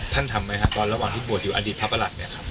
ทำไหมครับตอนระหว่างที่บวชอยู่อดีตพระประหลัดเนี่ยครับ